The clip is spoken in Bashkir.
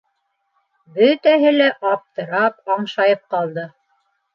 - Бөтәһе лә аптырап, аңшайып ҡалды.